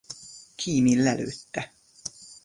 Keamy lelőtte.